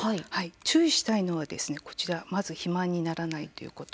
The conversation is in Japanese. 注意したいのはまずは肥満にならないということ。